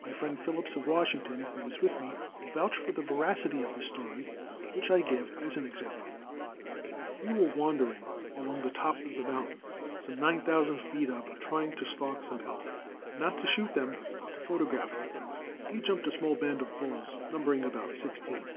My friend Phillips, of Washington, who was with me, will vouch for the veracity of this story, which I give as an example: We were wandering along the top of the mountain, some nine thousand feet up, trying to stalk some elk, not to shoot them, but to photograph them. We jumped a small band of bulls, numbering about sixteen.